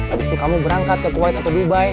abis itu kamu berangkat ke kuwait atau dubai